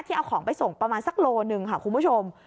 เอาของไปส่งประมาณสักโลหนึ่งค่ะคุณผู้ชม